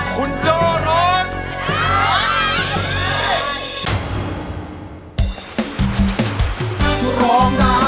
คุณโจ้ร้อง